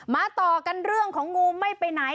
ต่อกันเรื่องของงูไม่ไปไหน